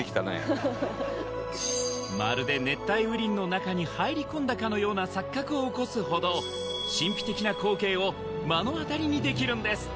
まるで熱帯雨林の中に入り込んだかのような錯覚を起こすほどを目の当たりにできるんです